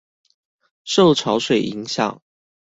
受潮水影響